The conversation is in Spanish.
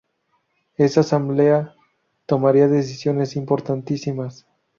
Esa asamblea tomaría decisiones importantísimas.